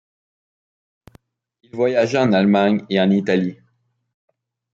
Il voyagea en Allemagne et en Italie.